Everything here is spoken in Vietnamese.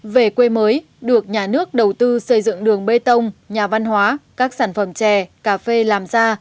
về quê mới được nhà nước đầu tư xây dựng đường bê tông nhà văn hóa các sản phẩm chè cà phê làm ra